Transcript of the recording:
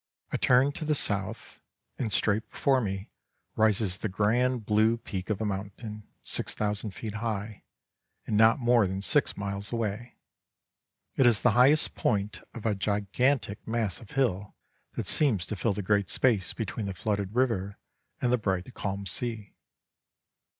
I turn to the south, and straight before me rises the grand blue peak of a mountain, 6000 feet high, and not more than six miles away. It is the highest point of a gigantic mass of hill that seems to fill the great space between the flooded river and the bright calm sea.